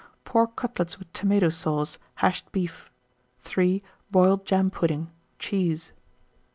Pork cutlets with tomato sauce; hashed beef. 3. Boiled jam pudding. Cheese.